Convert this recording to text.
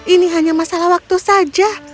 ini hanya masalah waktu saja